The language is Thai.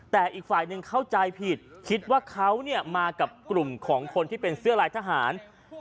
แต่อีกฝ่ายหนึ่งเข้าใจผิดคิดว่าเขามากับกลุ่มของคนที่เป็นเสื้อลายทหาร